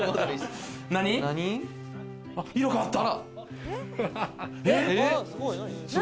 色変わった！